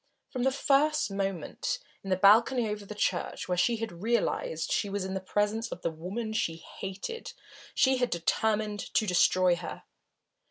From the first moment when, in the balcony over the church, she had realised that she was in the presence of the woman she hated, she had determined to destroy her.